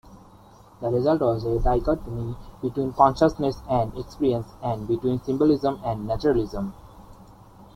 The result was a dichotomy between consciousness and experience and between symbolism and naturalism.